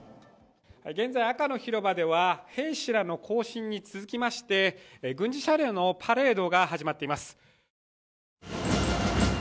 現在、赤の広場では兵士らの行進に続きまして軍事車両のパレードが始まっています。